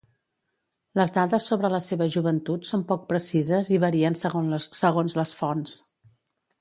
Les dades sobre la seva joventut són poc precises i varien segons les fonts.